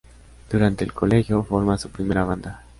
Durante el colegio, forma su primera banda.